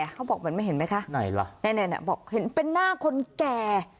เขาบอกมันไม่เห็นไหมคะไหนล่ะบอกเห็นเป็นหน้าคนแก่